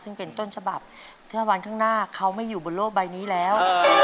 ซึ่งเป็นต้นฉบับถ้าวันข้างหน้าเขาไม่อยู่บนโลกใบนี้แล้ว